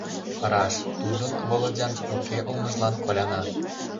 Раш, тудын, Володян, уке улмыжлан коляна.